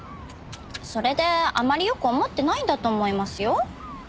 それであまりよく思ってないんだと思いますよ。